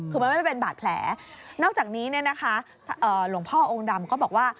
คือมันไม่เป็นบาดแผลนอกจากนี้เนี่ยนะคะหลวงพ่อองค์ดำก็บอกว่า